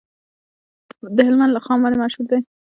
د هلمند رخام ولې مشهور دی؟